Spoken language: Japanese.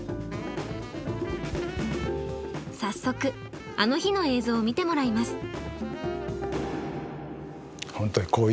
早速「あの日」の映像を見てもらいます。